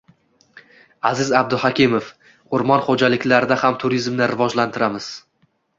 Aziz Abduhakimov: Oʻrmon xoʻjaliklarida ham turizmni rivojlantiramiz